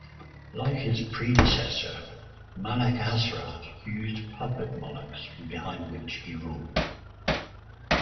Like his predecessor, Malek Asraf used puppet monarchs from behind which he ruled.